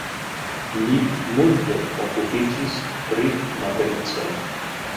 Li multe okupiĝis pri matricoj.